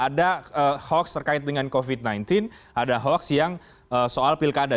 ada hoax terkait dengan covid sembilan belas ada hoax yang soal pilkada